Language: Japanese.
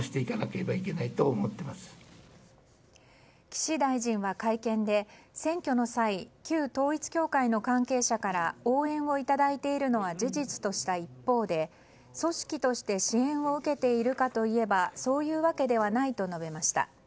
岸大臣は会見で、選挙の際旧統一教会の関係者から応援をいただいているのは事実とした一方で組織として支援を受けているかといえばそういうわけではないと述べました。